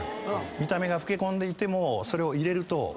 見た目が老け込んでいてもそれを入れると若返れるんです。